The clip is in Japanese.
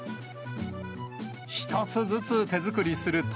１つずつ手作りする鶏